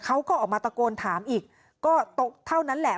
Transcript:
เขาก็ออกมาตะโกนถามอีกก็ตกเท่านั้นแหละ